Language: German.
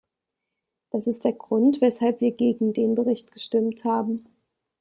Das ist der Grund, weshalb wir gegen den Bericht gestimmt haben.